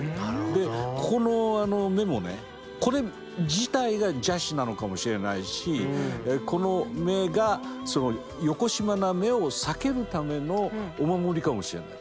でここの目もねこれ自体が邪視なのかもしれないしこの目がよこしまな目を避けるためのお守りかもしれない。